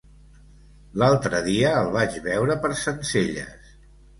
L'altre dia el vaig veure per Sencelles.